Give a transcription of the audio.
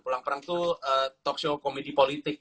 pulang perang tuh talkshow komedi politik